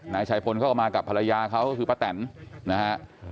นายชัยพลเขาก็มากับภรรยาเขาก็คือป้าแตนนะฮะ